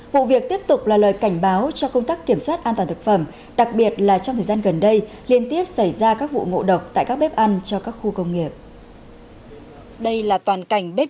vụ việc tiếp tục là lời cảnh báo cho công tác kiểm soát an toàn thực phẩm đặc biệt là trong thời gian gần đây liên tiếp xảy ra các vụ ngộ độc tại các bếp ăn cho các khu công nghiệp